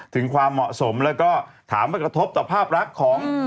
ถึงความเหมาะสมแล้วก็ถามว่ากระทบต่อภาพรักของ